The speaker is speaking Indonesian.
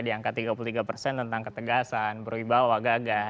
di angka tiga puluh tiga persen tentang ketegasan berwibawa gagah